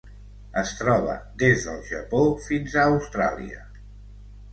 Es troba des del Japó fins a Austràlia.